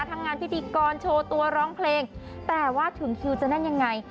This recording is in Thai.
ทั้งงานพิธีกรโชว์ตัวร้องเพลงแต่ว่าถึงคิวจะแน่นยังไง